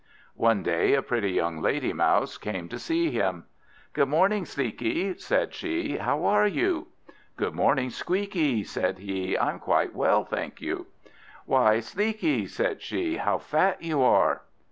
One day a pretty young lady Mouse came to see him. "Good morning, Sleekie," said she; "how are you?" "Good morning, Squeakie," said he; "I'm quite well, thank you." "Why, Sleekie," said she, "how fat you are."